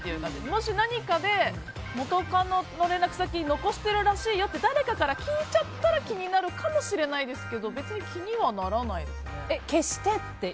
もし、何かで元カノの連絡先を残してるらしいよと誰かから聞いちゃったら気になるかもしれないですけど別に気にはならないですね。